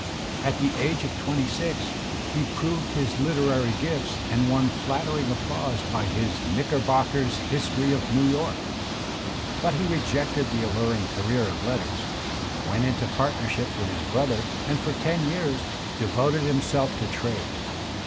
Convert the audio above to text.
At the age of twenty six he proved his Uterary gifts and won flattering applause by his "Knickerbocker's History of New York"; but he rejected the alluring career of letters, went into partnership with his brother and for ten years devoted himself to trade.